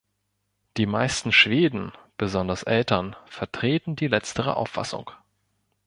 Die meisten Schweden, besonders Eltern, vertreten die letztere Auffassung.